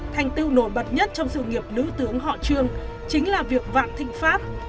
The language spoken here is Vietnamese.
thành tiêu nổi bật nhất trong sự nghiệp nữ tướng họ trường chính là việc vã tĩnh pháp